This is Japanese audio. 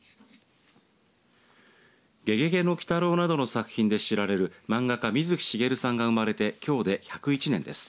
ゲゲゲの鬼太郎などの作品で知られる漫画家水木しげるさんが生まれてきょうで１０１年です。